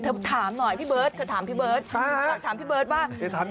เธอถามหน่อยพี่เบิร์ดถามพี่เบิร์ดว่า